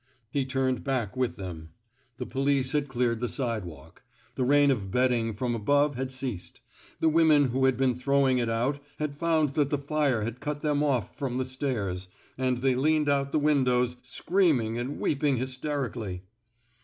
He turned, back with them. The police had cleared the sidewalk. The rain of bed ding from above had ceased. The women who had been throwing it out had found that the fire had cut them off from the stairs, and they leaned out the windows, scream ing and weeping hysterically.